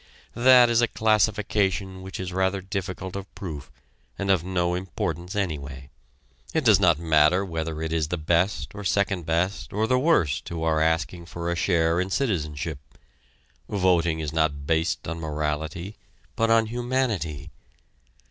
That is a classification which is rather difficult of proof and of no importance anyway. It does not matter whether it is the best, or second best, or the worst who are asking for a share in citizenship; voting is not based on morality, but on humanity.